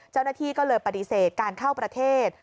เจ้าหน้าที่ก็เลยปฏิเสธการเข้าประเทศ